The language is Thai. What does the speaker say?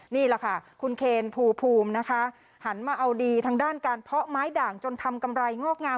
นี่แหละค่ะคุณเคนภูมินะคะหันมาเอาดีทางด้านการเพาะไม้ด่างจนทำกำไรงอกงาม